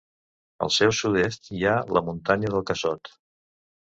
Al seu sud-est hi ha la muntanya del Casot.